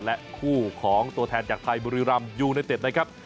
และคู่ของตัวแทนยักษ์ไทยบริรัมยูในเต็ดนะครับ